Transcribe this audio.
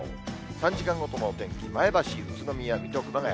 ３時間ごとのお天気、前橋、宇都宮、水戸、熊谷。